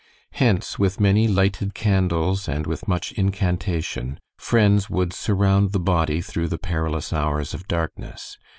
Hence, with many lighted candles, and with much incantation, friends would surround the body through the perilous hours of darkness.